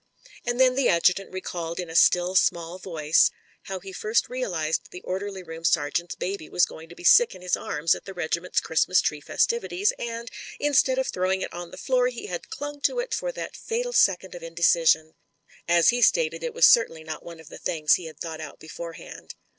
And then the adjutant recalled in a still small voice how he first realised the orderly room sergeant's baby was going to be sick in his arms at the regiment's Christmas tree festivities, and, instead of throwing it on the floor, he had 'clung to it for that fatal second of indecision. As he si^^itted, it was certainly not one of the things he had thought out beforehand.